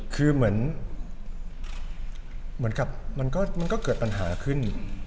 คือเหมือนกับมันก็เกิดปัญหาขึ้น